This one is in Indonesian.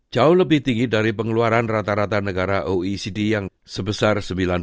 jauh lebih tinggi dari pengeluaran rata rata negara oecd yang sebesar sembilan puluh